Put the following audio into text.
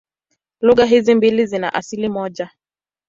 Lugha hizi mbili zina asili moja.